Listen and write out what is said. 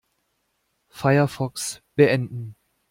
Firefox beenden.